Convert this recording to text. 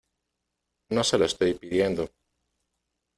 no se lo estoy pidiendo,